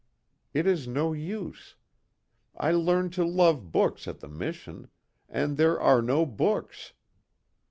It is no use. I learned to love books at the mission and there are no books.